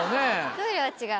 トイレは違う。